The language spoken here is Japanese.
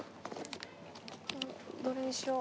どれにしよう？